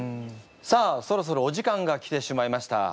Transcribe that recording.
さあそろそろお時間が来てしまいました。